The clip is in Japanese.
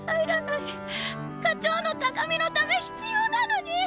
課長の高みのため必要なのに。